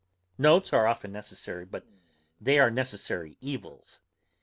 Notes are often necessary, but they are necessary evils.